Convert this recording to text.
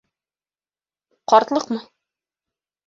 Ҡартлыҡмы?